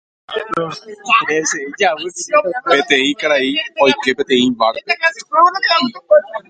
Peteĩ karai oike peteĩ bar-pe.